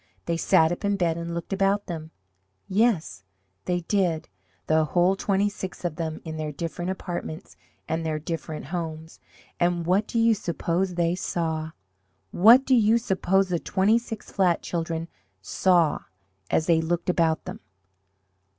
They sat up in bed and looked about them yes, they did, the whole twenty six of them in their different apartments and their different homes. And what do you suppose they saw what do you suppose the twenty six flat children saw as they looked about them?